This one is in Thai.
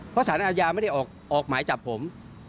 เพราะสารอาญาไม่ได้ออกหมายจับผม